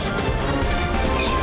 kita relax saja tapi benar